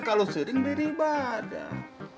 kalau sering beribadah